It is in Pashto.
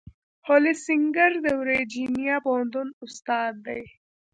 هولسینګر د ورجینیا پوهنتون استاد دی.